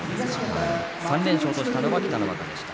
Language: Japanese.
３連勝としたのは北の若でした。